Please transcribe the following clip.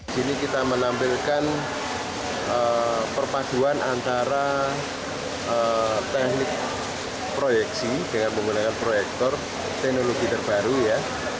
di sini kita menampilkan perpaduan antara teknik proyeksi dengan menggunakan proyektor teknologi terbaru ya